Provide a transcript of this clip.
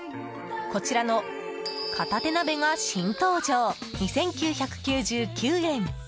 こちらの片手鍋が新登場２９９９円。